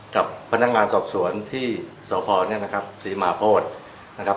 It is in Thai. กับพนักงานสอบสวนที่สพเนี่ยนะครับศรีมาโพธินะครับ